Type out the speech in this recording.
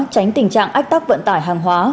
tránh tình trạng ách tắc vận tải hàng hóa